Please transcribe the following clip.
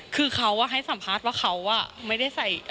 คือเขาให้สัมภาษณ์ว่าเขาไม่ได้ใส่